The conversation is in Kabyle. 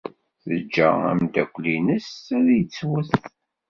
Teǧǧa ameddakel-nnes ad yettwet.